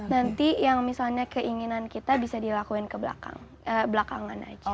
nanti yang misalnya keinginan kita bisa dilakuin ke belakangan aja